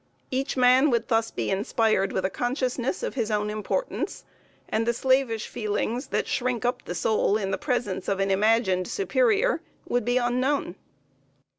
Each man would thus be inspired with a consciousness of his own importance, and the slavish feelings that shrink up the soul in the presence of an imagined superior would be unknown."